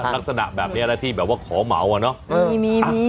ลักษณะแบบนี้แล้วที่แบบว่าขอเหมาอะเนาะ